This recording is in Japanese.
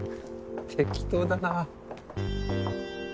適当だな。